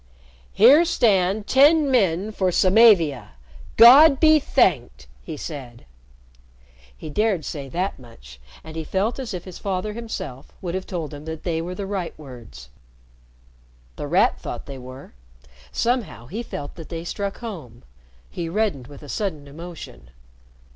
"Here stand ten men for Samavia. God be thanked!" he said. He dared say that much, and he felt as if his father himself would have told him that they were the right words. The Rat thought they were. Somehow he felt that they struck home. He reddened with a sudden emotion.